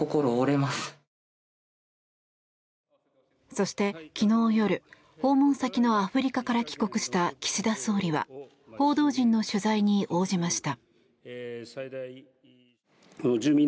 そして、昨日夜訪問先のアフリカから帰国した岸田総理は報道陣の取材に応じました。